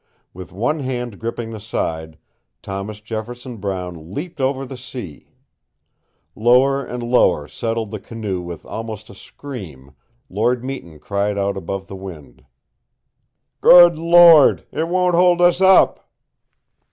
With one hand gripping the side, Thomas Jefferson Brown leaped over the sea. Lower and lower settled the canoe with almost a scream, Lord Meton cried above the wind: "Good Lord, it won't hold us up!"